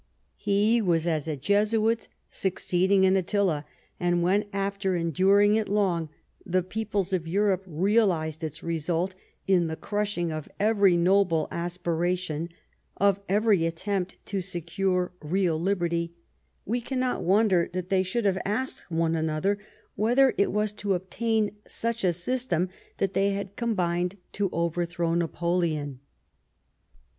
He was as a Jesuit succeeding an Attila ; and when, after enduring it long, the peoples of Europe realised its result in the crushing of every noble aspira tion, of every attempt to secure real liberty, we cannot wonder that they should have asked one another whether it was to obtain such a system that they had combined to overthrow Napoleon.